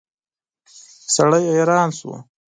سړی حیران شو.